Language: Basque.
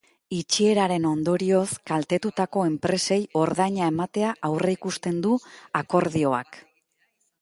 Itxieraren ondorioz kaltetutako enpresei ordaina ematea aurreikusten du akordioak.